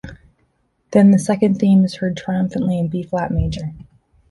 Then the second theme is heard triumphantly in B-flat major.